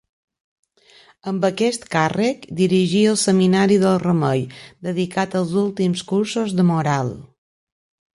Amb aquest càrrec dirigí el Seminari del Remei, dedicat als últims cursos de moral.